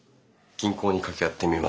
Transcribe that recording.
銀行に掛け合ってみますが。